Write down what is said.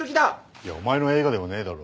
いやお前の映画でもねえだろ。